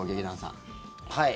はい。